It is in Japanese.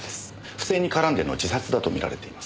不正に絡んでの自殺だと見られています。